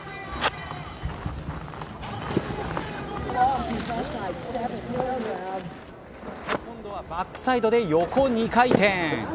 今度はバックサイドで横２回転。